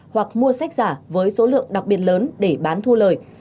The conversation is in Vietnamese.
hoặc mua sách giả với số lượng đặc biệt lớn để bán thu lời